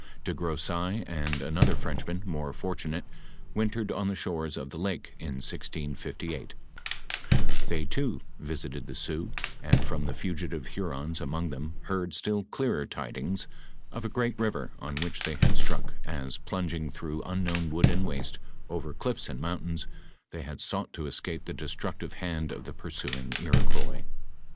De Gro seilles and another Frenchman, more fortunate, wintered on the shores of the lake in 1658 ; they too visited the Sioux, and from the fugitive Hurons among them heard still clearer ti dings of a great river on which they bad struck, as, plunging through unknown wood and waste, over cliffs and mountains, they had sought to escape the destructive hand of the pnr^ suing Iroquois.